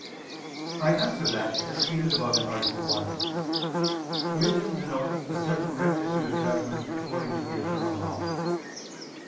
I answer that, As stated above (A. 1), wisdom denotes a certain rectitude of judgment according to the Eternal Law.